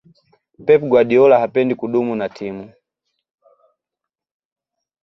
pep guardiola hapendi kudumu na timu